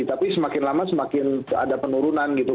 tapi semakin lama semakin ada penurunan gitu